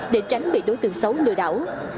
để tránh bị đối tượng xấu lừa đảo